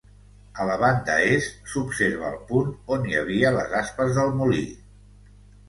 A la banda est, s'observa el punt on hi havia les aspes del molí.